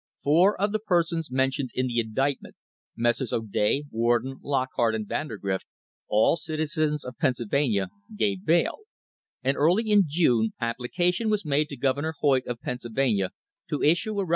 * Four of the persons mentioned in the indictment — Messrs. O'Day, Warden, Lockhart and Vandergrift — all citizens of Pennsylvania, gave bail, and early in June application was made to Governor Hoyt of Pennsylvania to issue a requisition I* See Appendix, Number 34.